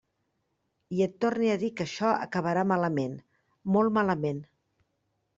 I et torne a dir que açò acabarà malament, molt malament.